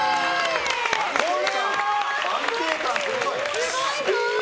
安定感すごい。